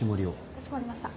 かしこまりました。